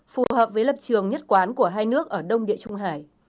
phù hợp với lập trường nhất quán của hai nước ở đông địa trung hải